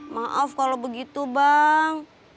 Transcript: maaf kalau begitu bang